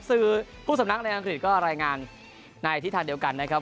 ซื้อผู้สำนักในอังกฤษก็รายงานในอธิษฐานเดียวกันนะครับ